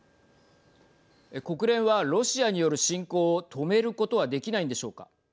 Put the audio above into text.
国連はロシアによる侵攻を止めることはできないんでしょうか。